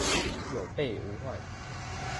有備無患